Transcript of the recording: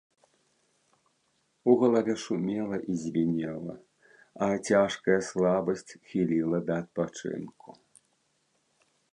У галаве шумела і звінела, а цяжкая слабасць хіліла да адпачынку.